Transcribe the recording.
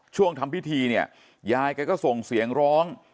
ทำพิธีเนี่ยยายแกก็ส่งเสียงร้อง